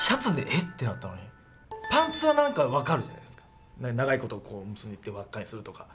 ってなったのにパンツはなんか分かるじゃないですか長いこと結んでって輪っかにするとか。